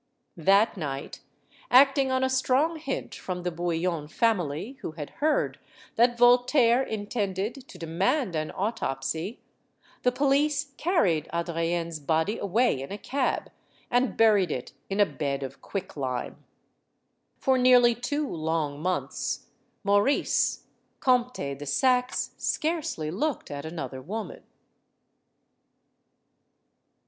That night acting on a strong hint from the 134 STORIES OF THE SUPER WOMEN Bouillon family, who had heard that Voltaire intended to demand an autopsy the police carried Adrienne's body away in a cab, and buried it in a bed of quick lime. For nearly two long months, Maurice, Comte de Saxe, scarcely looked at another woman.